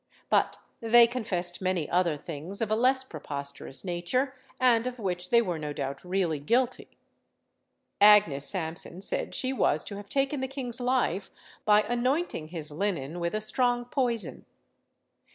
But they confessed many other things of a less preposterous nature, and of which they were no doubt really guilty. Agnes Sampson said she was to have taken the king's life by anointing his linen with a strong poison.